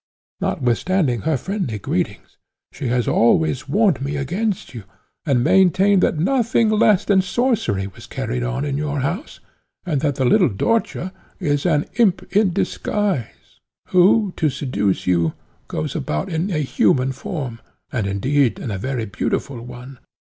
Notwithstanding her friendly greetings, she has always warned me against you, and maintained that nothing less than sorcery was carried on in your house, and that the little Dörtje is an imp in disguise, who, to seduce you, goes about in a human form, and, indeed, in a very beautiful one.